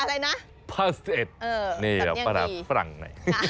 อะไรนะช่างไก่